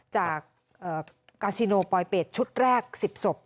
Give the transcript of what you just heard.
จากกาซิโนปลอยเป็ดชุดแรก๑๐ศพ